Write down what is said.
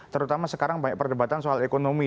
terutama sekarang banyak perdebatan soal ekonomi